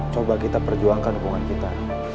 coba kita perjuangkan hubungan kita